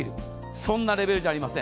そんなレベルじゃありません。